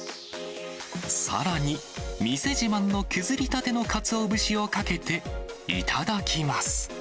さらに店自慢の削りたてのかつお節をかけて、頂きます。